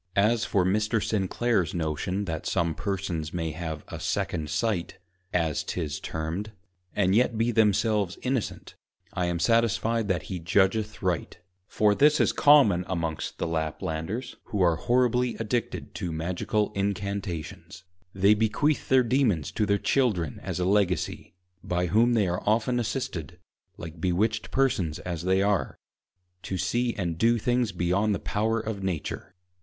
_ As for Mr. Sinclare's Notion that some Persons may have a second Sight, (as 'tis termed) and yet be themselves Innocent, I am satisfied that he judgeth right; for this is common amongst the Laplanders, who are horribly addicted to Magical Incantations: They bequeath their Dæmons to their Children as a Legacy, by whom they are often assisted (like Bewitched Persons as they are) to see and do things beyond the Power of Nature.